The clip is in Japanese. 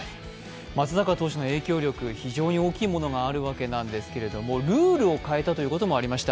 松坂投手の影響力、非常に大きいものがあるわけですけど、ルールを変えたということもありました。